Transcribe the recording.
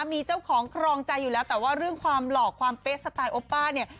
มีเจ้าของครองใจอยู่แล้วแต่ว่าเรื่องความหล่อความเป๊ะสไตล์โอป้าเนี่ย